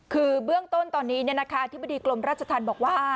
คือเบื้องต้นตอนนี้อธิบดีกรมราชธรรมบอกว่า